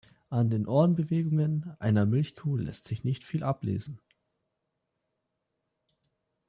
An den Ohrbewegungen einer Milchkuh lässt sich viel ablesen.